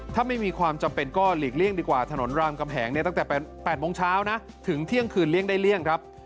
ถ้าไม่มีความจำเป็นก็หลีกเลี่ยงดีกว่าถนนรามกำแหงเนี่ยตั้งแต่๘โมงเช้านะถึงเที่ยงคืนเลี่ยงได้เลี่ยงครับ